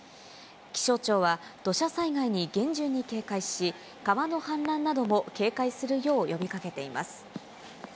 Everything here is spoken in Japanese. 気象庁は、土砂災害に厳重に警戒し、川の氾濫なども警戒するよう呼びかけています。